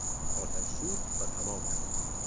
آتش سوخت و تمام شد.